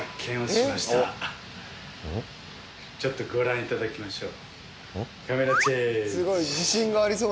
ちょっとご覧いただきましょう。